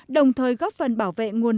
đồng thời góp phần bảo vệ nguồn